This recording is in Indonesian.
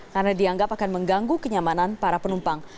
karena dianggap akan mengganggu kenyamanan para penumpang